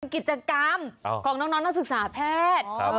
กิจกรรมของน้องนักศึกษาแพทย์